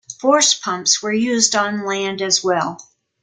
Force pumps were used on land as well.